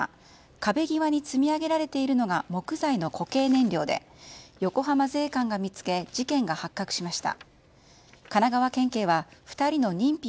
壁際に積み上げられているのが木材の固形燃料で横浜税関が見つけ事件が発覚しました。